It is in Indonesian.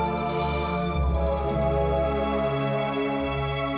mama harus tahu evita yang salah